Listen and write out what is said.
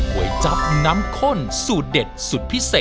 พี่บอกเขาเอาเดียวไหม